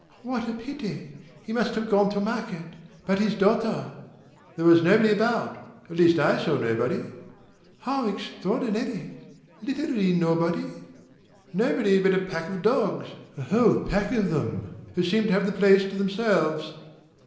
"What a pity! He must have gone to market. But his daughter ?" "There was nobody about. At least I saw no one." "How extraordinary! Literally nobody?" "Nobody but a lot of dogs a whole pack of them who seemed to have the place to themselves."